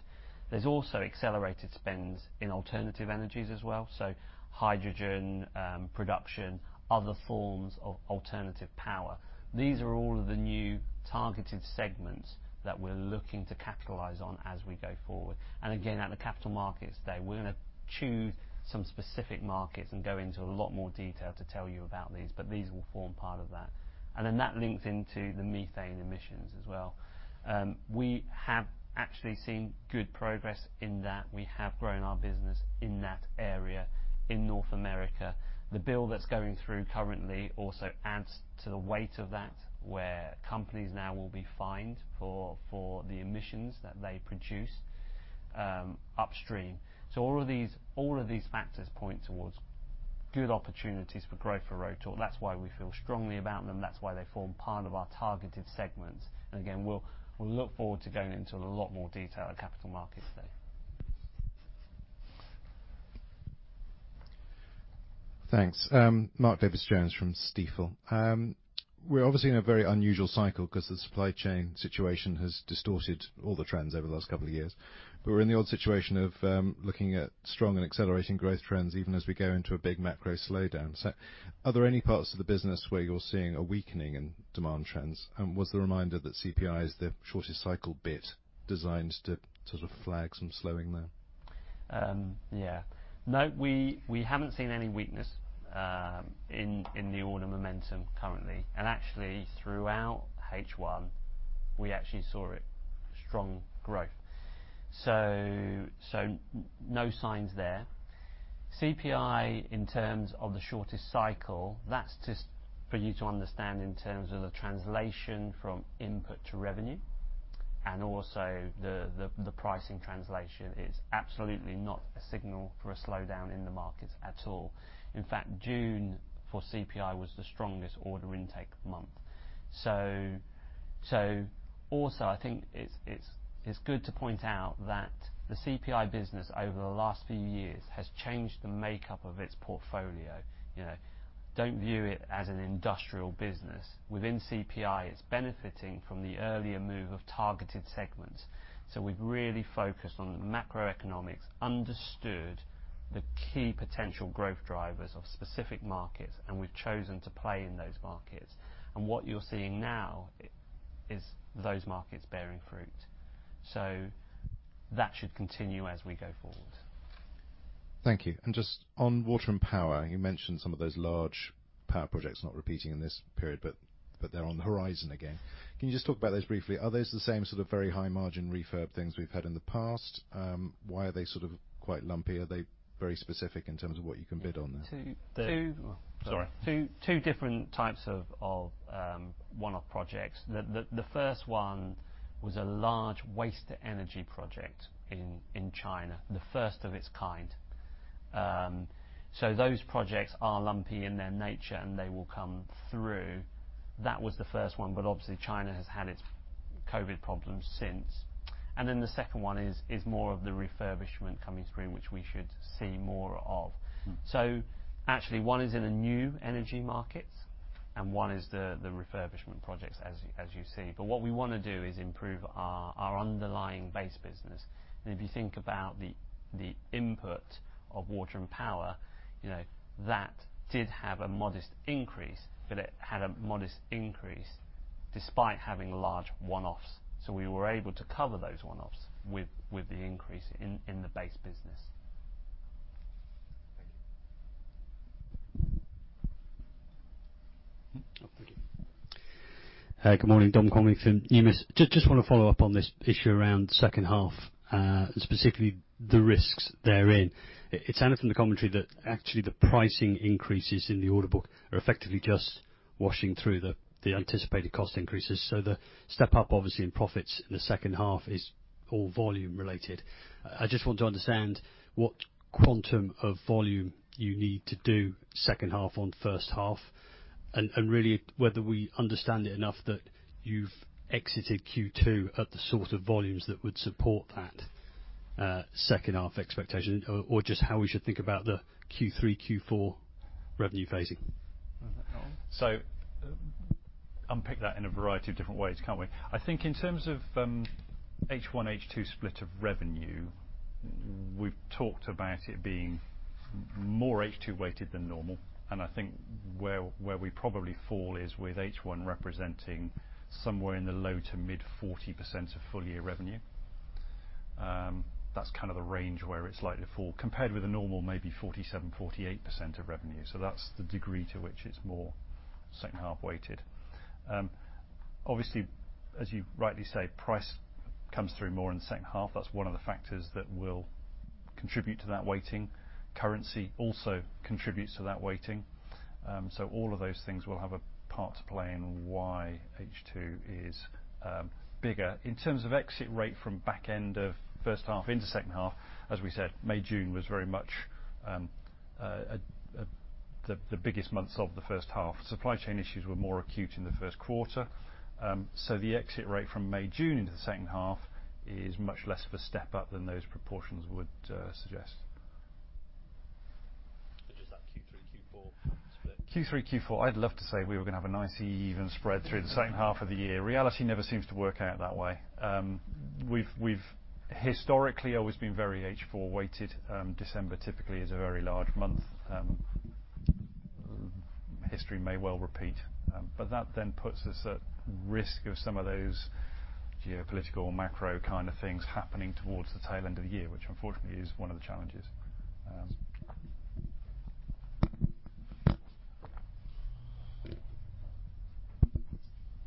There's also accelerated spends in alternative energies as well, so hydrogen production, other forms of alternative power. These are all of the new targeted segments that we're looking to capitalize on as we go forward. Again, at the Capital Markets Day, we're gonna choose some specific markets and go into a lot more detail to tell you about these, but these will form part of that. That links into the methane emissions as well. We have actually seen good progress in that we have grown our business in that area in North America. The bill that's going through currently also adds to the weight of that, where companies now will be fined for the emissions that they produce, upstream. All of these factors point towards good opportunities for growth for Rotork. That's why we feel strongly about them. That's why they form part of our targeted segments. Again, we'll look forward to going into a lot more detail at Capital Markets Day. Thanks. Mark Davies Jones from Stifel. We're obviously in a very unusual cycle 'cause the supply chain situation has distorted all the trends over the last couple of years. We're in the odd situation of looking at strong and accelerating growth trends even as we go into a big macro slowdown. Are there any parts of the business where you're seeing a weakening in demand trends? And was the reminder that CPI is the shortest cycle bit designed to sort of flag some slowing there? Yeah. No, we haven't seen any weakness in the order momentum currently. Actually, throughout H1, we actually saw a strong growth. No signs there. CPI, in terms of the shortest cycle, that's just for you to understand in terms of the translation from input to revenue, and also the pricing translation. It's absolutely not a signal for a slowdown in the markets at all. In fact, June for CPI was the strongest order intake month. Also I think it's good to point out that the CPI business over the last few years has changed the makeup of its portfolio. You know, don't view it as an industrial business. Within CPI, it's benefiting from the earlier move of targeted segments. We've really focused on the macroeconomics, understood the key potential growth drivers of specific markets, and we've chosen to play in those markets. What you're seeing now is those markets bearing fruit. That should continue as we go forward. Thank you. Just on Water & Power, you mentioned some of those large power projects not repeating in this period, but they're on the horizon again. Can you just talk about those briefly? Are those the same sort of very high margin refurb things we've had in the past? Why are they sort of quite lumpy? Are they very specific in terms of what you can bid on there? two The- Sorry. Two different types of one-off projects. The first one was a large waste-to-energy project in China, the first of its kind. Those projects are lumpy in their nature, and they will come through. That was the first one, but obviously China has had its COVID-19 problems since. The second one is more of the refurbishment coming through, which we should see more of. Mm-hmm. Actually, one is in the new energy markets, and one is the refurbishment projects as you see. What we wanna do is improve our underlying base business. If you think about the input of Water & Power, you know, that did have a modest increase, but it had a modest increase despite having large one-offs. We were able to cover those one-offs with the increase in the base business. Thank you. Oh, thank you. Good morning. Dominic Convey from Numis. Just wanna follow up on this issue around second half, and specifically the risks therein. It's evident from the commentary that actually the pricing increases in the order book are effectively just washing through the anticipated cost increases. So the step up obviously in profits in the second half is all volume related. I just want to understand what quantum of volume you need to do second half on first half, and really whether we understand it enough that you've exited Q2 at the sort of volumes that would support that second half expectation, or just how we should think about the Q3, Q4 revenue phasing. Unpick that in a variety of different ways, can't we? I think in terms of H1, H2 split of revenue, we've talked about it being more H2 weighted than normal. I think where we probably fall is with H1 representing somewhere in the low- to mid-40% of full year revenue. That's kind of the range where it's likely to fall compared with a normal maybe 47%-48% of revenue. That's the degree to which it's more second half weighted. Obviously, as you rightly say, price comes through more in the second half. That's one of the factors that will contribute to that weighting. Currency also contributes to that weighting. All of those things will have a part to play in why H2 is bigger. In terms of exit rate from back end of first half into second half, as we said, May, June was very much the biggest months of the first half. Supply chain issues were more acute in the first quarter. The exit rate from May, June into the second half is much less of a step up than those proportions would suggest. Just that Q3, Q4 split. Q3, Q4, I'd love to say we were gonna have a nice even spread through the second half of the year. Reality never seems to work out that way. We've historically always been very H4 weighted. December typically is a very large month. History may well repeat. That then puts us at risk of some of those geopolitical or macro kind of things happening towards the tail end of the year, which unfortunately is one of the challenges.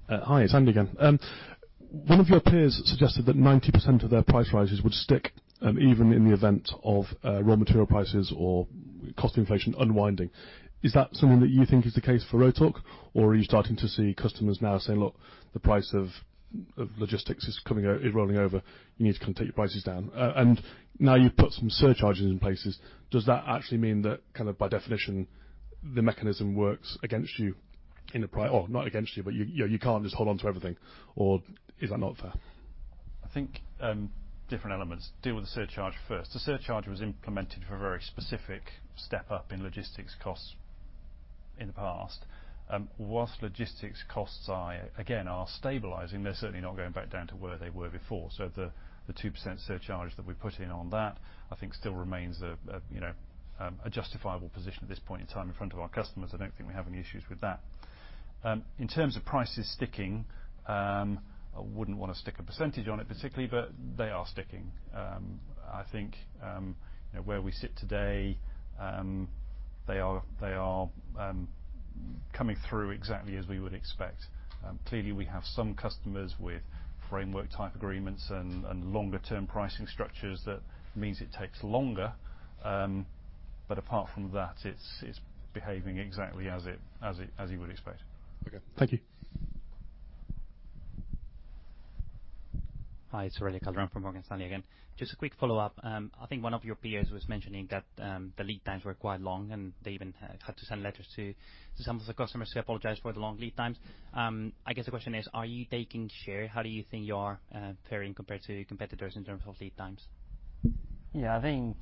Hi, it's Andy again. One of your peers suggested that 90% of their price rises would stick, even in the event of raw material prices or cost inflation unwinding. Is that something that you think is the case for Rotork, or are you starting to see customers now saying, "Look, the price of logistics is coming, is rolling over. You need to come take your prices down." Now you've put some surcharges in places. Does that actually mean that kind of by definition the mechanism works against you or not against you, but you know, you can't just hold on to everything? Is that not fair? I think different elements. Deal with the surcharge first. The surcharge was implemented for a very specific step-up in logistics costs in the past. While logistics costs are stabilizing, they're certainly not going back down to where they were before. The 2% surcharge that we put in on that, I think still remains a you know justifiable position at this point in time in front of our customers. I don't think we have any issues with that. In terms of prices sticking, I wouldn't wanna stick a percentage on it particularly, but they are sticking. I think you know where we sit today, they are coming through exactly as we would expect. Clearly, we have some customers with framework-type agreements and longer-term pricing structures that means it takes longer. Apart from that, it's behaving exactly as it as you would expect. Okay. Thank you. Hi, it's Aurelio Calderon from Morgan Stanley again. Just a quick follow-up. I think one of your peers was mentioning that the lead times were quite long, and they even had to send letters to some of the customers to apologize for the long lead times. I guess the question is: Are you taking share? How do you think you are faring compared to your competitors in terms of lead times? Yeah, I think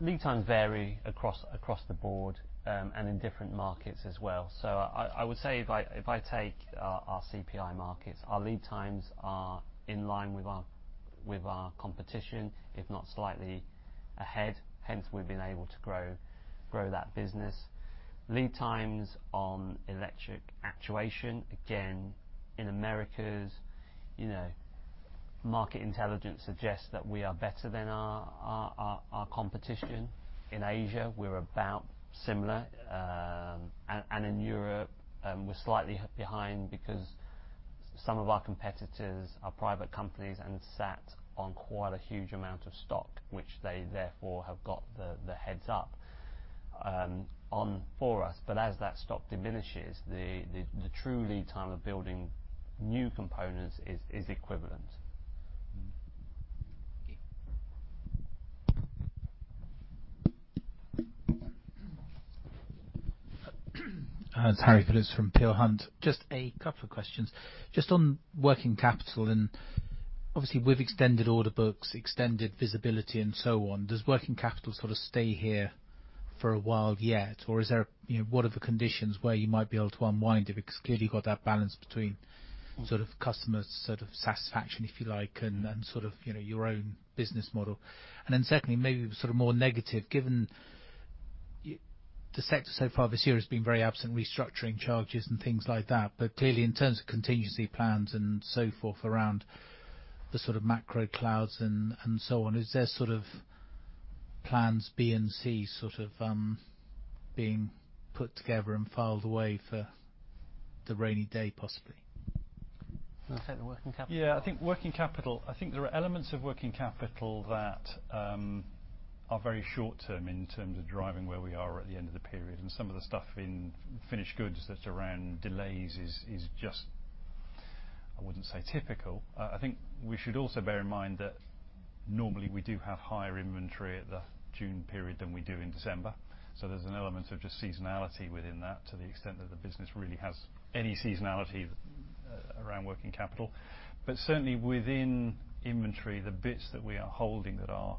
lead times vary across the board and in different markets as well. I would say if I take our CPI markets, our lead times are in line with our competition, if not slightly ahead, hence we've been able to grow that business. Lead times on electric actuation, again, in Americas, you know, market intelligence suggests that we are better than our competition. In Asia, we're about similar. In Europe, we're slightly behind because some of our competitors are private companies and sat on quite a huge amount of stock, which they therefore have got the head start on us. As that stock diminishes, the true lead time of building new components is equivalent. Okay. It's Harry Philips from Peel Hunt. Just a couple of questions. Just on working capital and obviously with extended order books, extended visibility and so on, does working capital sort of stay here for a while yet? Or is there, you know, what are the conditions where you might be able to unwind it? Because clearly you've got that balance between sort of customer sort of satisfaction, if you like, and sort of, you know, your own business model. Then secondly, maybe sort of more negative, given the sector so far this year has been very absent, restructuring charges and things like that. But clearly in terms of contingency plans and so forth around the sort of macro clouds and so on, is there sort of plans B and C sort of being put together and filed away for the rainy day possibly? You wanna take the working capital? Yeah, I think working capital. I think there are elements of working capital that are very short term in terms of driving where we are at the end of the period, and some of the stuff in finished goods that's around delays is just, I wouldn't say typical. I think we should also bear in mind that normally we do have higher inventory at the June period than we do in December. There's an element of just seasonality within that to the extent that the business really has any seasonality around working capital. Certainly within inventory, the bits that we are holding that are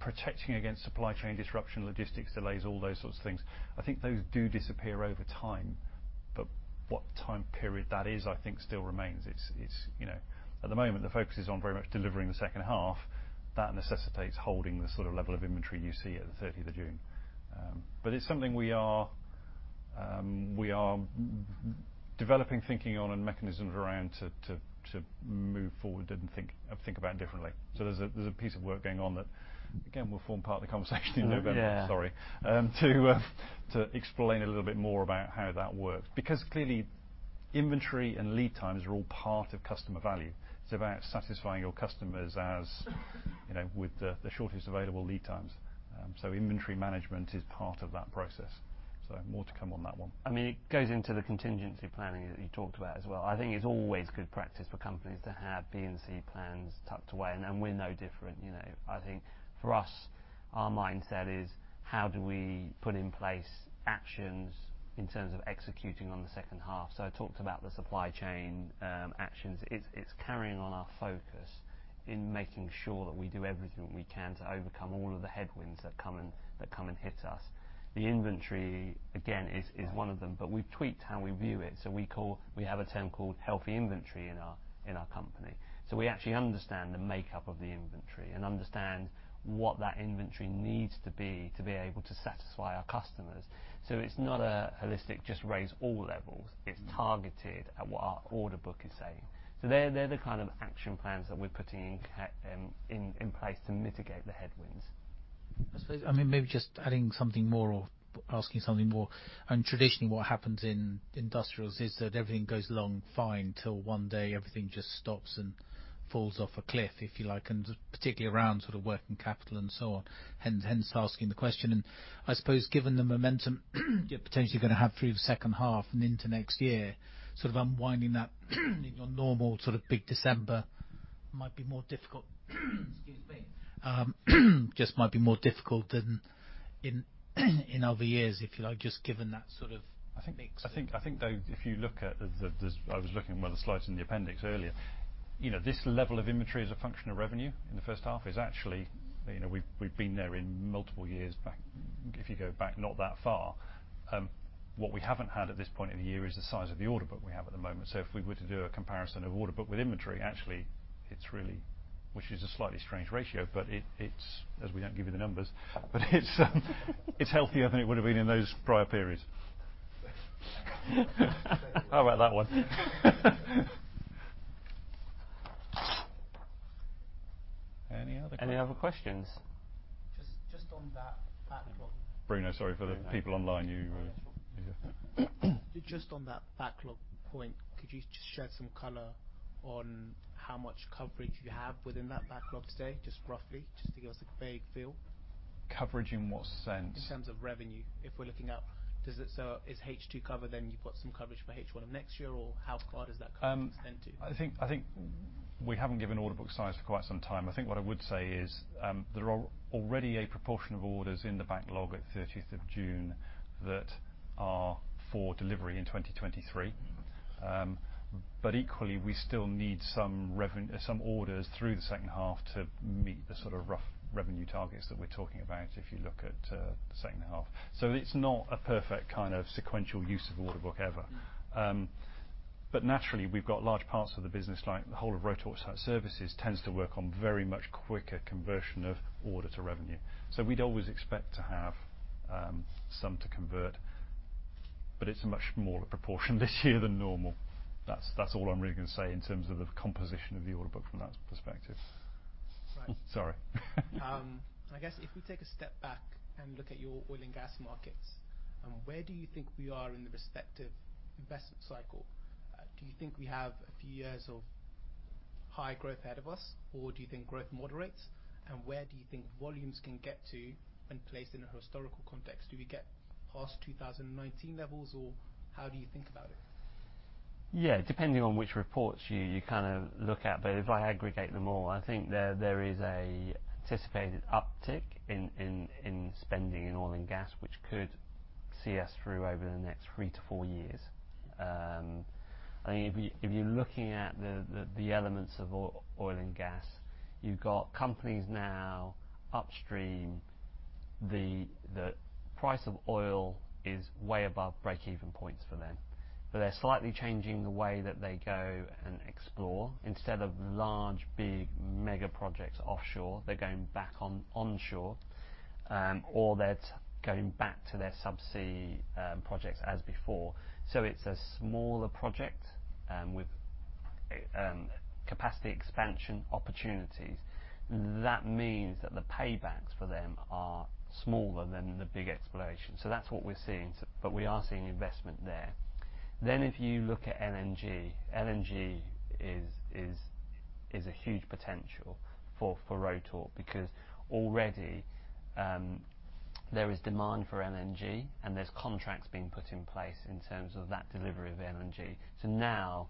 protecting against supply chain disruption, logistics delays, all those sorts of things, I think those do disappear over time. What time period that is, I think still remains. It's, you know. At the moment, the focus is on very much delivering the second half. That necessitates holding the sort of level of inventory you see at the June 30th. It's something we are developing thinking on and mechanisms around to move forward and think about differently. There's a piece of work going on that, again, will form part of the conversation in November. Yeah. Sorry. To explain a little bit more about how that works. Because clearly, inventory and lead times are all part of customer value. It's about satisfying your customers as, you know, with the shortest available lead times. Inventory management is part of that process. More to come on that one. I mean, it goes into the contingency planning that you talked about as well. I think it's always good practice for companies to have B and C plans tucked away, and we're no different, you know. I think for us, our mindset is how do we put in place actions in terms of executing on the second half? I talked about the supply chain actions. It's carrying on our focus in making sure that we do everything we can to overcome all of the headwinds that come and hit us. The inventory, again, is one of them. But we've tweaked how we view it. We have a term called healthy inventory in our company. We actually understand the makeup of the inventory and understand what that inventory needs to be to be able to satisfy our customers. It's not a holistic just raise all levels. It's targeted at what our order book is saying. They're the kind of action plans that we're putting in place to mitigate the headwinds. I suppose, I mean, maybe just adding something more or asking something more. Traditionally what happens in industrials is that everything goes along fine till one day everything just stops and falls off a cliff, if you like, and particularly around sort of working capital and so on, hence asking the question. I suppose given the momentum you're potentially gonna have through the second half and into next year, sort of unwinding that in your normal sort of big December might be more difficult, excuse me. Just might be more difficult than in other years, if you like, just given that sort of. I think. -the- I think though if you look at the I was looking at one of the slides in the appendix earlier, you know, this level of inventory as a function of revenue in the first half is actually, you know, we've been there in multiple years back. If you go back not that far, what we haven't had at this point in the year is the size of the order book we have at the moment. So if we were to do a comparison of order book with inventory, actually it's really which is a slightly strange ratio, but it's, as we don't give you the numbers, but it's healthier than it would've been in those prior periods. How about that one? Any other questions? Any other questions? Just on that backlog. Bruno, sorry for the people online, you No, that's cool. Yeah. Just on that backlog point, could you just shed some color on how much coverage you have within that backlog today, just roughly, just to give us a vague feel? Coverage in what sense? In terms of revenue. If we're looking at, is H2 covered, then you've got some coverage for H1 of next year or how far does that coverage extend to? I think we haven't given order book size for quite some time. I think what I would say is, there are already a proportion of orders in the backlog at thirtieth of June that are for delivery in 2023. Equally we still need some orders through the second half to meet the sort of rough revenue targets that we're talking about if you look at the second half. It's not a perfect kind of sequential use of order book ever. Naturally we've got large parts of the business, like the whole of Rotork Site Services tends to work on very much quicker conversion of order to revenue. We'd always expect to have some to convert, but it's a much more proportion this year than normal. That's all I'm really gonna say in terms of the composition of the order book from that perspective. Right. Sorry. I guess if we take a step back and look at your Oil & Gas markets, where do you think we are in the respective investment cycle? Do you think we have a few years of high growth ahead of us, or do you think growth moderates? Where do you think volumes can get to, and placed in a historical context, do we get past 2019 levels, or how do you think about it? Yeah. Depending on which reports you kind of look at. If I aggregate them all, I think there is an anticipated uptick in spending in Oil & Gas, which could see us through over the next three to four years. If you're looking at the elements of Oil & Gas, you've got companies now upstream. The price of oil is way above break-even points for them, but they're slightly changing the way that they go and explore. Instead of large, big mega projects offshore, they're going back to onshore, or they're going back to their subsea projects as before. It's a smaller project with capacity expansion opportunities. That means that the paybacks for them are smaller than the big exploration. That's what we're seeing, but we are seeing investment there. If you look at LNG is a huge potential for Rotork because already there is demand for LNG and there's contracts being put in place in terms of that delivery of LNG. Now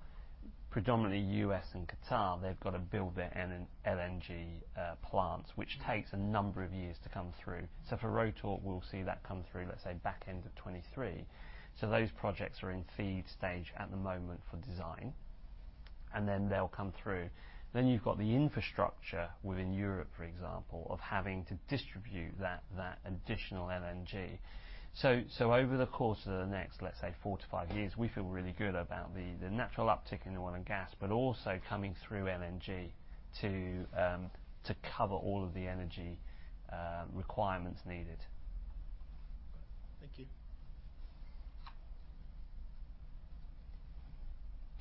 predominantly U.S. and Qatar, they've got to build their new LNG plants, which takes a number of years to come through. For Rotork, we'll see that come through, let's say back end of 2023. Those projects are in FEED stage at the moment for design, and then they'll come through. You've got the infrastructure within Europe, for example, of having to distribute that additional LNG. Over the course of the next, let's say four to five years, we feel really good about the natural uptick in Oil & Gas, but also coming through LNG to cover all of the energy requirements needed. Thank you.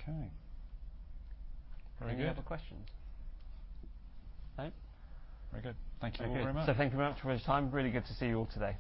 Okay. Very good. Any other questions? No? Very good. Thank you all very much. Thank you very much for your time. Really good to see you all today.